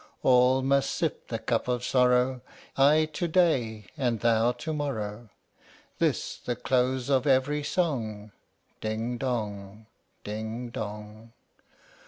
All must sip the cup of sorrow I to day and thou to morrow ; This the close of every song, Ding Dong! Ding Dong!